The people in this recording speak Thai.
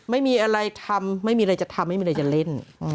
ไม่มีอะไรทำไม่มีอะไรจะทำไม่มีอะไรจะเล่น